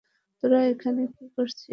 তোরা এখানে কি করছিস?